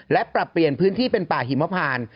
และปรับเปลี่ยนพื้นที่เป็นป่าหิมพาน